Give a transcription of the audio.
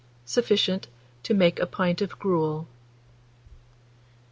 Sufficient to make a pint of gruel.